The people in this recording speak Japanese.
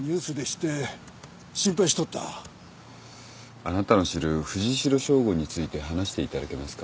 あなたの知る藤代省吾について話していただけますか。